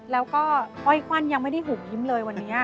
แล้วก็อ้อยควันยังไม่ได้หุบยิ้มเลยวันนี้